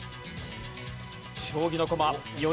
将棋の駒。